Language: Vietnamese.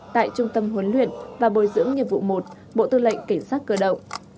tại trung tâm huấn luyện và bồi dưỡng nhiệm vụ một bộ tư lệnh cảnh sát cửa động